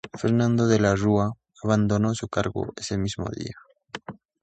Fernando de la Rúa abandonó su cargo ese mismo día.